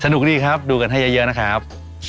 นุกดีครับดูกันให้เยอะนะครับ